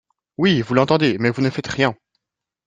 Oui, vous l’entendez, mais vous ne faites rien